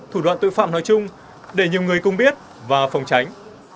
thủ đoạn tội phạm nói chung để nhiều người cùng biết và phòng tránh